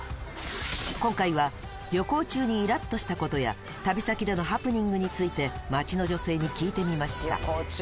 今回は旅行中にイラっとしたことや旅先でのハプニングについて街の女性に聞いてみました